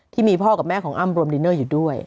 ที่มีพ่อกับแม่ของอ้ำรวมดินเนอร์อยู่ด้วย